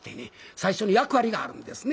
最初に役割があるんですね。